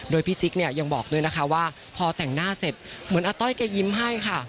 โดยพี่จิ๊กเนี่ยยังบอกด้วยนะคะว่าพอแต่งหน้าเสร็จเหมือนอาต้อยแกยิ้มให้ค่ะ